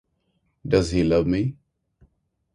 Does he love me?